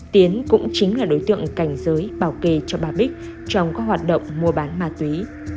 tiến cũng chính là đối tượng cảnh giới bảo kê cho bà bích trong các hoạt động mua bán ma túy